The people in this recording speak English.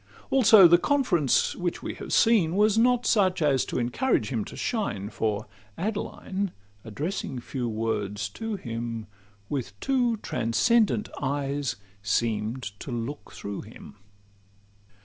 Also the conference which we have seen Was not such as to encourage him to shine; For Adeline, addressing few words to him, With two transcendent eyes seem'd to look through him.